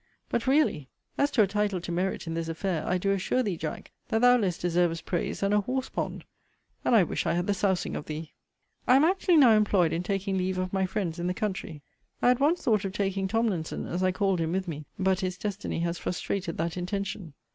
But really, as to a title to merit in this affair, I do assure thee, Jack, that thou less deservest praise than a horsepond; and I wish I had the sousing of thee. I am actually now employed in taking leave of my friends in the country. I had once thought of taking Tomlinson, as I called him, with me: but his destiny has frustrated that intention.